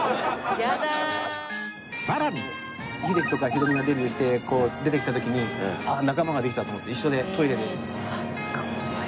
さらに秀樹とかひろみがデビューして出てきた時にああ仲間ができたと思って一緒でトイレで。